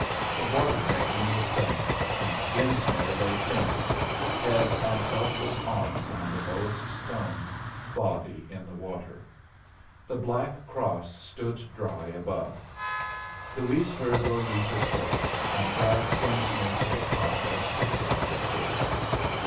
The water drinking was done, and Genesmere lay fainting, head and helpless arms on the lowest stone, body in the water. The Black Cross stood dry above. Luis heard Lolita's voice, and dragged Genesmere to the top as quickly as he could.